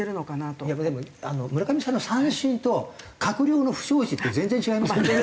いやでも村上さんの三振と閣僚の不祥事って全然違いますけれども。